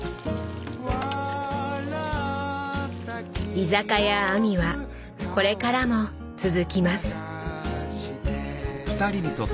「居酒屋あみ」はこれからも続きます。